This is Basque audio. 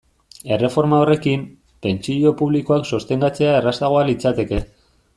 Erreforma horrekin, pentsio publikoak sostengatzea errazagoa litzateke.